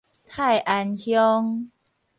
泰安鄉